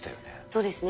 そうですね